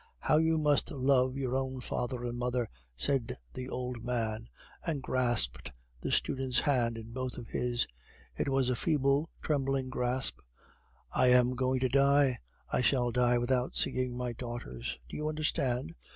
"How you must love your own father and mother!" said the old man, and grasped the student's hand in both of his. It was a feeble, trembling grasp. "I am going to die; I shall die without seeing my daughters; do you understand?